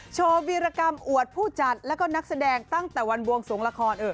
โชว์วีรกรรมอวดผู้จัดแล้วก็นักแสดงตั้งแต่วันบวงสวงละคร